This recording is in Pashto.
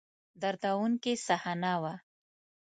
دردوونکې صحنه وه.